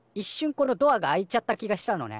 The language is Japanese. このドアが開いちゃった気がしたのね。